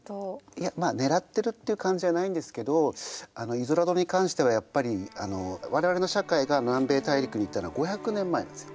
いやまあ狙ってるっていう感じじゃないんですけどイゾラドに関してはやっぱり我々の社会が南米大陸に行ったのは５００年前なんですよ。